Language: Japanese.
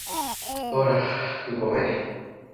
ほら、ごめん